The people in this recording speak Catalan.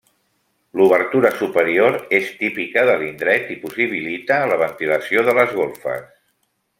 L'obertura superior és típica de l'indret i possibilita la ventilació de les golfes.